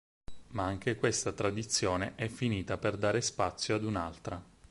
Ma anche questa tradizione è finita per dare spazio ad un'altra.